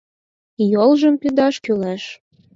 — Йолжым пидаш кӱлеш!